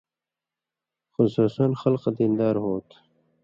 خصوصاً خلکہ دین دار ہوں تھو